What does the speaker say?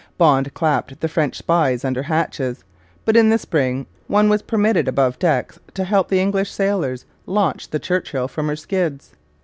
Bond clapped the French spies under hatches; but in the spring one was permitted above decks to help the English sailors launch the Churchill from her skids.